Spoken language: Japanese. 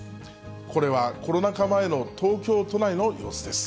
これはコロナ禍前の東京都内の様子です。